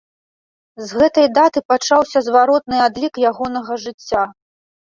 З гэтай даты пачаўся зваротны адлік ягонага жыцця.